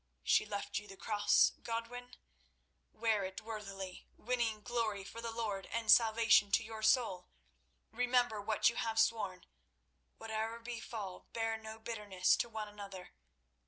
She left you the cross, Godwin? Wear it worthily, winning glory for the Lord, and salvation to your soul. Remember what you have sworn. Whate'er befall, bear no bitterness to one another.